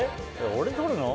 俺撮るの？